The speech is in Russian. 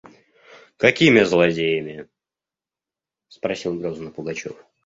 – Какими злодеями? – спросил грозно Пугачев.